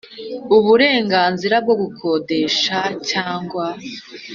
Uburenganzira bwo gukodesha cyangwa